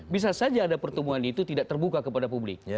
bisa saja ada pertemuan itu tidak terbuka kepada publik